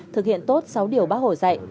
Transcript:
thực hiện tốt sáu điều bác hổ dạy